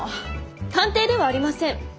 探偵ではありません。